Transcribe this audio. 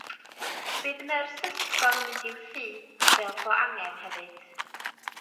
Bydd nyrs ysgol yn mynd i'w thŷ, fel bo angen hefyd